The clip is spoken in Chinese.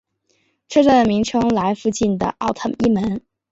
车站的名称来附近的奥特伊门。